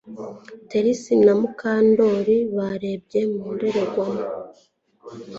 Trix na Mukandoli barebye mu ndorerwamo